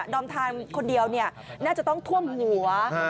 อมทานคนเดียวน่าจะต้องท่วมหัว